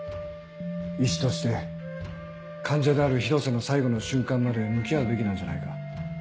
医師として患者である広瀬の最後の瞬間まで向き合うべきなんじゃないか？